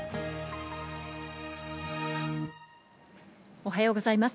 おはようございます。